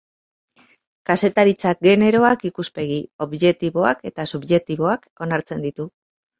Kazetaritza generoak ikuspegi objektiboak eta subjektiboak onartzen ditu.